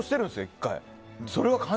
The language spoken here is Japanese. １回。